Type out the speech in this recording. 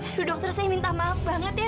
aduh dokter saya minta maaf banget ya